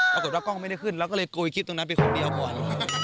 กล้องไม่ได้ขึ้นเราก็เลยโกยคลิปตรงนั้นไปคนเดียวก่อน